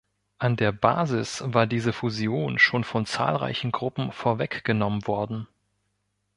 An der Basis war diese Fusion schon von zahlreichen Gruppen vorweggenommen worden.